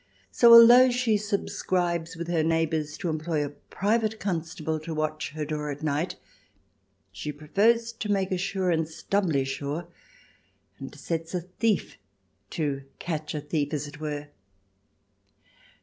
So, although she subscribes with her neighbours to employ a private constable to watch her door at night, she prefers to make assurance doubly sure, and sets a thief to catch a thief, as it were.